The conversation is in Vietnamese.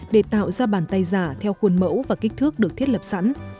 để tạo ra bàn tay giả theo khuôn mẫu và kích thước được thiết lập sẵn